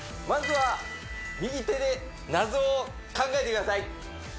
まずは右手で謎を考えてください